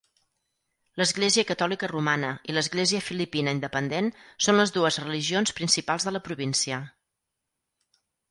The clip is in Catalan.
L'Església Catòlica Romana i l'Església Filipina Independent són les dues religions principals de la província.